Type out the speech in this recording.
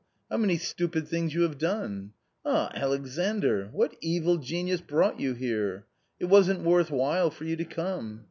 " How many stupid things you have done ! Ah, Alexandr, what evil genius brought you here ! it wasn't worth while for you to come.